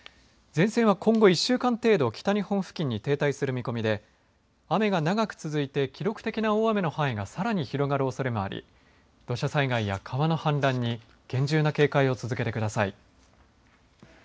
前線は今後１週間程度北日本付近に停滞する見込みで雨が長く続いて記録的な大雨の範囲がさらに広がるおそれもあり土砂災害や川の氾濫に厳重な警戒を続けてください。